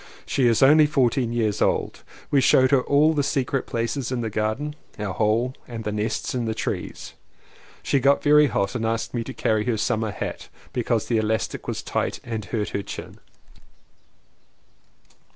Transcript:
She is only fourteen years old. We showed her all the secret places in the garden — our hole, and the nests in the trees. She got very hot and asked me to carry her summer hat because the elastic was tight and hurt her chin.